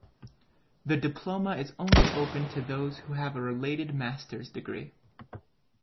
The diploma is only open to those who have a related Master's degree.